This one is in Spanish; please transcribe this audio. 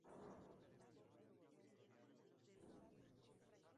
Intentan encontrar una solución y Buffy escucha la voz de un hombre llamándola.